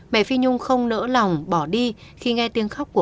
mẹ phi nhung không nỡ lòng bỏ đi khi nghe tiếng khóc của